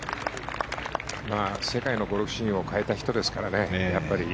世界のゴルフシーンを変えた人ですからね。